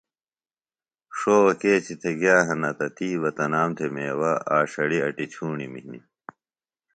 ݜوہ کیچیۡ گِیہ ہِنہ تہ تی بہ تنام تھے میوہ، آڇھڑیۡ اٹی ڇھوݨم ہِنیۡ